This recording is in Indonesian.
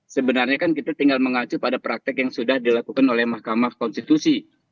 sebenarnya kan kita tinggal mengacu pada praktek yang sudah dilakukan oleh mahkamah konstitusi